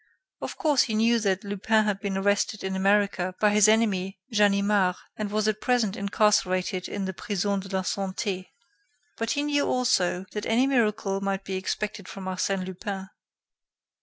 Of course, he knew that Lupin had been arrested in America by his enemy Ganimard and was at present incarcerated in the Prison de la Santé. But he knew also that any miracle might be expected from Arsène Lupin.